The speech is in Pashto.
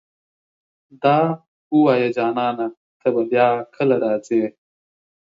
دا اووايه جانانه ته به بيا کله راځې